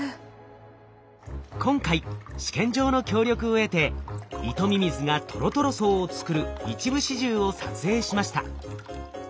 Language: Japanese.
今回試験場の協力を得てイトミミズがトロトロ層を作る一部始終を撮影しました。